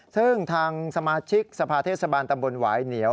ซึ่งทางสมาชิกสภาเทศบาลตำบลหวายเหนียว